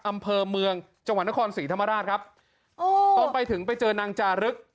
อำเภอเมืองจังหวัดนครศรีธรรมราชครับโอ้ตอนไปถึงไปเจอนางจารึก